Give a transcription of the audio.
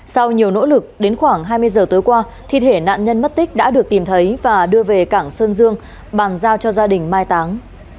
sau nhiều nỗ lực đến khoảng hai mươi giờ tối qua thi thể nạn nhân mất tích đã được tìm thấy và đưa về cảng sơn dương bàn giao cho gia đình mai táng